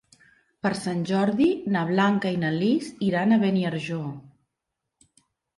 Per Sant Jordi na Blanca i na Lis iran a Beniarjó.